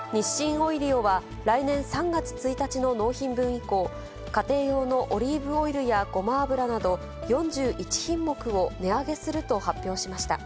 オイリオは、来年３月１日の納品分以降、家庭用のオリーブオイルやごま油など、４１品目を値上げすると発表しました。